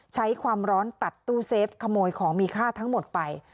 ใช้ความร้อนตัดตู้เซฟขโมยของมีค่าทั้งหมดไป